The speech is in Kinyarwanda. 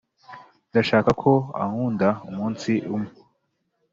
ndashaka ko ankunda umunsi umwe